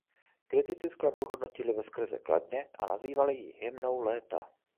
Kritici skladbu hodnotili veskrze kladně a nazývali ji "hymnou léta".